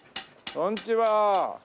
こんにちは。